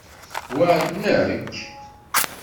Wa nnek?